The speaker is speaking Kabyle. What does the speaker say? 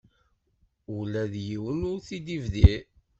Ula d yiwen ur t-id-ibdir.